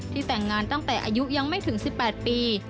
แต่งงานตั้งแต่อายุยังไม่ถึง๑๘ปี